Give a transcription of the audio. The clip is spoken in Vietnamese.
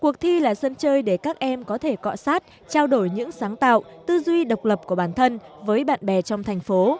cuộc thi là sân chơi để các em có thể cọ sát trao đổi những sáng tạo tư duy độc lập của bản thân với bạn bè trong thành phố